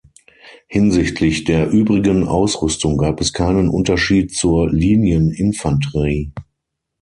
Hinsichtlich der übrigen Ausrüstung gab es keinen Unterschied zur Linieninfanterie.